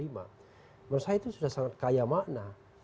menurut saya itu sudah sangat kaya makna